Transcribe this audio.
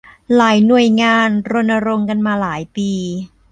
หลายหน่วยงานรณรงค์กันมาหลายปี